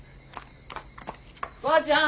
ばあちゃん！